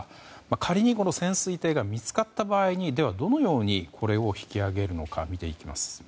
仮に潜水艇が見つかった場合にでは、どのようにこれを引き揚げるのか見ていきます。